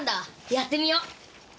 やってみよう！